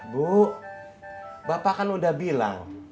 bu bapak kan udah bilang